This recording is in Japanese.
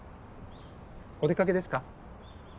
お出かけですか？